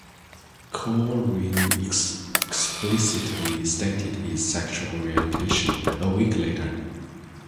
Koering explicitly stated his sexual orientation a week later.